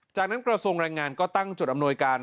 จากนั้นกระทรวงแรงงานก็ตั้งจุดอำนวยการ